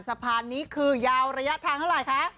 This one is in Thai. สะพานนี้คือยาวระยะทางเท่าไหร่คะ